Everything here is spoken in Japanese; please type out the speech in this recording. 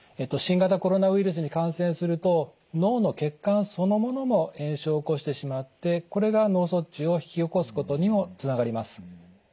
新型コロナウイルスに感染すると脳の血管そのものも炎症を起こしてしまってこれが脳卒中を引き起こすことにもつながります。